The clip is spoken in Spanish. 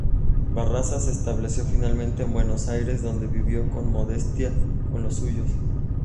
Barraza se estableció finalmente en Buenos Aires donde vivió con modestia con los suyos.